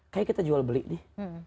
kayak kita jual beli nih